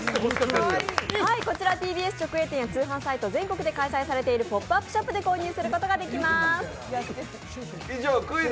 こちらＴＢＳ直営店や通販サイト、全国で展開されているポップアップショップで購入することができます。